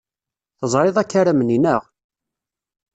Teẓriḍ akaram-nni, naɣ?